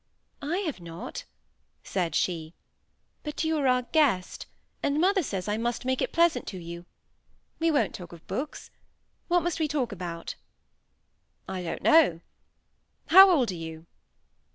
"I have not," said she. "But you are our guest; and mother says I must make it pleasant to you. We won't talk of books. What must we talk about?" "I don't know. How old are you?"